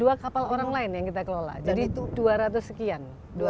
dan lima puluh dua kapal orang lain yang kita kelola jadi dua ratus sekian